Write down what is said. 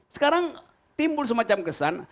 sekarang timbul semacam kesan